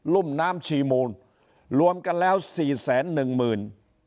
รุ่มน้ำชีมูลรวมกันแล้วสี่แสนหนึ่งหมื่น